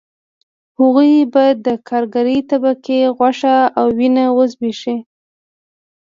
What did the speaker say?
هغوی به د کارګرې طبقې غوښه او وینه وزبېښي